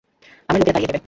আমার লোকেরা তাড়িয়ে দিবে।